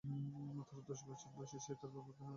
মাত্র দশ বছর বয়সে সে তার বাবাকে হারায় এক সড়ক দুর্ঘটনায়।